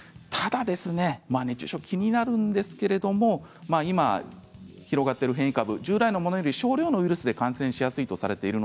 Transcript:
熱中症は気になるんですけれど、広がっている変異株は従来のものより少量で感染しやすいとされています。